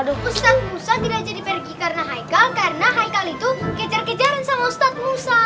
ustadz mursa tidak jadi pergi karena haika karena haika itu kejar kejaran sama ustadz mursa